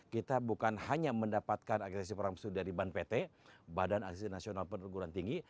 kita bukan hanya mendapatkan aksesif program studi dari ban pt badan aksesif nasional penergolan tinggi